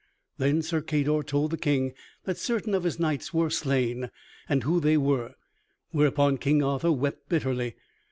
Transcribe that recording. Then Sir Cador told the King that certain of his knights were slain, and who they were, whereupon King Arthur wept bitterly.